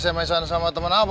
aku jangan mengingat teman abu